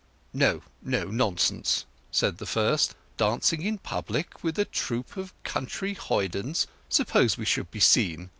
"No—no; nonsense!" said the first. "Dancing in public with a troop of country hoydens—suppose we should be seen!